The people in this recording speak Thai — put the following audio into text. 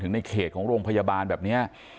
ในเขตของโรงพยาบาลแบบนี้